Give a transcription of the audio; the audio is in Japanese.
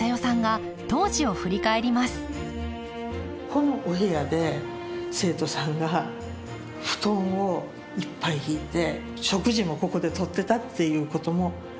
このお部屋で生徒さんが布団をいっぱい敷いて食事もここでとってたっていうこともあります。